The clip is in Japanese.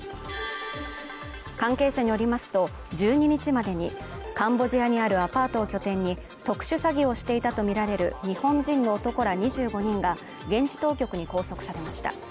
関係者によりますと１２日までにカンボジアにあるアパートを拠点に特殊詐欺をしていたとみられる日本人の男ら２５人が現地当局に拘束されました